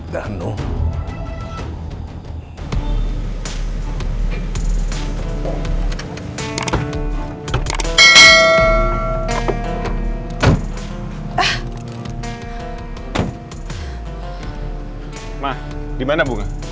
bunga di mana bunga